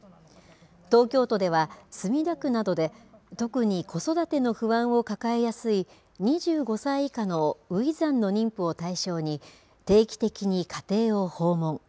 東京都では墨田区などで特に子育ての不安を抱えやすい２５歳以下の初産の妊婦を対象に定期的に家庭を訪問。